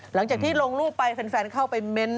หลังจากที่ลงรูปไปแฟนเข้าไปเม้นต